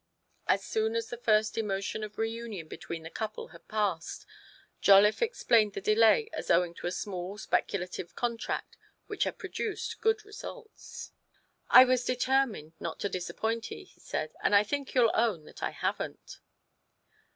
As soon as the first emotion of reunion between the couple had passed, Jolliffe explained the delay as owing to a small speculative contract, which had produced good results. 126 TO PLEASE HIS WIFE. c4 1 was determined not to disappoint 'ee/' he said ;" and I think you'll own that I haven't."